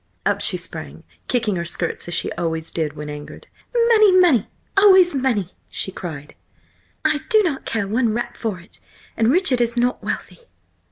Up she sprang, kicking her skirts as she always did when angered. "Money! money!–always money!" she cried. "I do not care one rap for it! And Richard is not wealthy!"